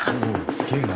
すげえな。